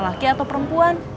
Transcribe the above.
laki atau perempuan